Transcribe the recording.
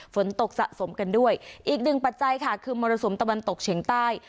ฝนตกสะสมกันด้วยอีกหนึ่งปัจจัยค่ะคือมรสุมตะวันตกเฉียงใต้